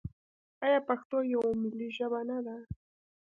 آیا پښتو یوه ملي ژبه نه ده؟